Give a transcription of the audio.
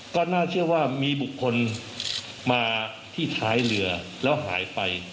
ก็น่าเชื่อว่ามีบุคคลมาที่ท้ายเรือแล้วหายไป